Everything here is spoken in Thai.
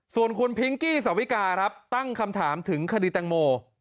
ส่วนคุณพิงกี้สวิกาครับตั้งคำถามถึงคดีแตงโม